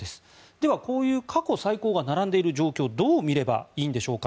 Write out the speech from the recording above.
では、こういう過去最高が並んでいる状況をどう見ればいいんでしょうか。